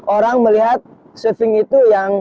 orang melihat surfing itu